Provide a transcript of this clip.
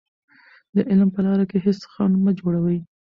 د علم په لاره کې هېڅ خنډ مه جوړوئ.